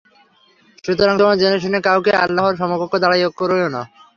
সুতরাং তোমরা জেনেশুনে কাউকেও আল্লাহর সমকক্ষ দাঁড় করিয়ো না।